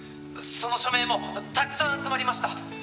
「その署名もたくさん集まりました！」